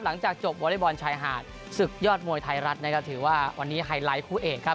หลังจากจบวอเล็กบอลชายหาดศึกยอดมวยไทยรัฐนะครับถือว่าวันนี้ไฮไลท์คู่เอกครับ